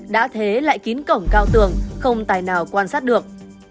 đã thế lại kín cổng cao tường không tài nào quan sát được